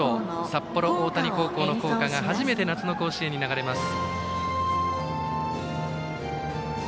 札幌大谷高校の校歌が初めて夏の甲子園に流れます。